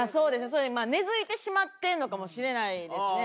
根付いてしまってんのかもしれないですね。